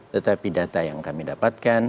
tetapi data yang kami dapatkan